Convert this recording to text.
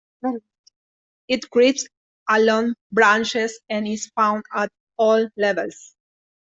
It creeps along branches and is found at all levels.